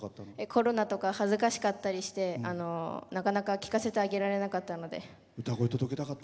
コロナとか恥ずかしかったりでなかなか聴かせてあげられなかったので。